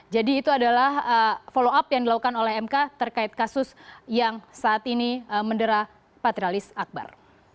jadi itu adalah follow up yang dilakukan oleh mk terkait kasus yang saat ini mendera patrialis akbar